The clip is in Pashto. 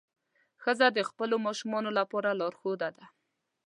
ښځه د خپلو ماشومانو لپاره لارښوده ده.